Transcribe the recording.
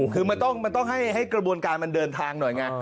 คือมันต้องให้กระบวนการมันเดินทางหน่อยไง